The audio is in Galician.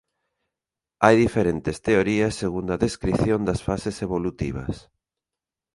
Hai diferentes teorías segundo a descrición das fases evolutivas.